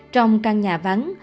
trong căn nhà vắng